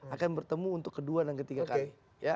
akan bertemu untuk kedua dan ketiga kali